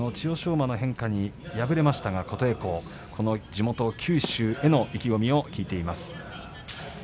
馬の変化に敗れましたが、琴恵光地元九州での意気込みを聞いています。